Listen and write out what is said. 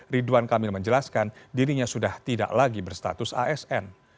ridwan kamil menjelaskan dirinya sudah tidak lagi berstatus asn